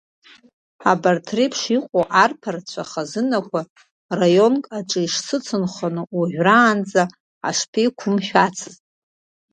Абарҭ реиԥш иҟоу арԥарцәа хазынақәа раионк аҿы исыцынхоны, уажәраанӡа ҳашԥеиқәымшәацыз?